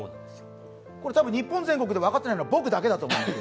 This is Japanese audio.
これ多分、日本全国で分かってないのは僕だけだと思います。